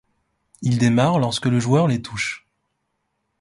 Ils démarrent lorsque le joueur les touche.